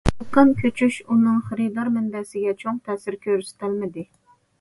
دۇكان كۆچۈش ئۇنىڭ خېرىدار مەنبەسىگە چوڭ تەسىر كۆرسىتەلمىدى.